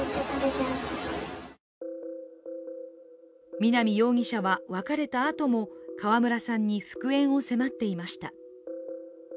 南容疑者は別れたあとも川村さんに復縁を迫っていました。